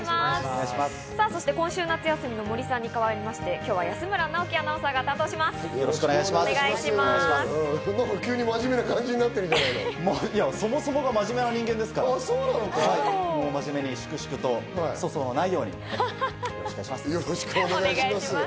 そして今週、夏休みの森さんに代わりまして今日は安村直樹アナウンサーが担当します。